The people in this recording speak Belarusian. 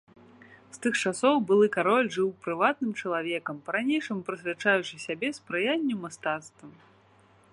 З тых часоў былы кароль жыў прыватным чалавекам, па-ранейшаму прысвячаючы сябе спрыянню мастацтвам.